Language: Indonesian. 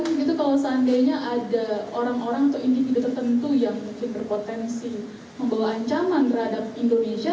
mungkin itu kalau seandainya ada orang orang atau individu tertentu yang mungkin berpotensi membawa ancaman terhadap indonesia